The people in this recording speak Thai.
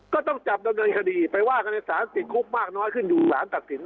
ก็ต้องจับดำเนินคดีไปว่ากันในสารติดคุกมากน้อยขึ้นอยู่สารตัดสิน